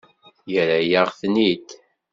Yerra-yaɣ-ten-id.